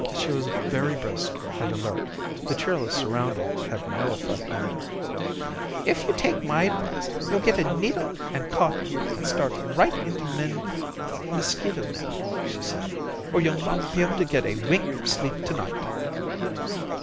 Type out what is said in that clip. She was very brisk and alert. The cheerless surroundings had no effect on her. "If you'll take my advice you'll get a needle and cotton and start right in to mend the mosquito net," she said, "or you'll not be able to get a wink of sleep to night."